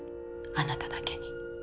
あなただけに。